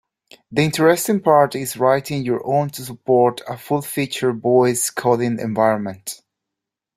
The interesting part is writing your own to support a full-featured voice coding environment.